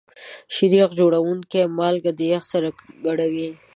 شیریخ جوړونکي مالګه د یخ سره ګډوي.